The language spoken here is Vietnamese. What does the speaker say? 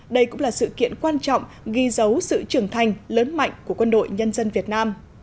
đây cũng là sự kiện quan trọng ghi dấu sự trưởng thành lớn mạnh của quân đội nhân dân việt nam